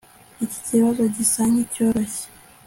iki kibazo gisa nkicyoroshye